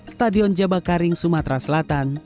stadion jabakaring sumatera selatan